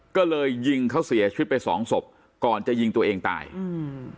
ก็เลยยิงเขาเสียชีวิตไปสองศพก่อนจะยิงตัวเองตายอืม